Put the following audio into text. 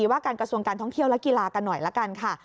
ว่าการกระทรวงการท่องเที่ยวและกีฬากันหน่อยละกันค่ะ